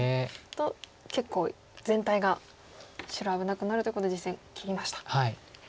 と結構全体が白危なくなるということで実戦切りました。